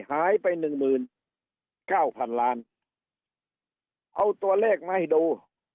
หายไปหนึ่งหมื่นเก้าพันล้านเอาตัวเลขมาให้ดู